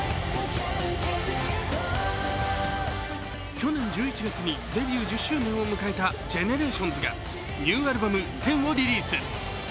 去年１１月にデビュー１０周年を迎えたＧＥＮＥＲＡＴＩＯＮＳがニューアルバム「Ⅹ」をリリース。